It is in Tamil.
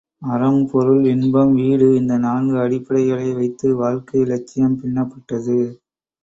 அறம் பொருள் இன்பம் வீடு இந்த நான்கு அடிப்படைகளை வைத்து வாழ்க்கை லட்சியம் பின்னப்பட்டது.